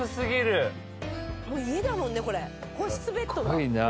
すっごいな。